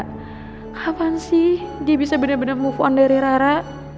kapan sih dia bisa benar benar move on dari rara